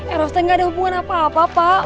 eros kan gak ada hubungan apa apa pak